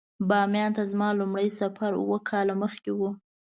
بامیان ته زما لومړی سفر اووه کاله مخکې و.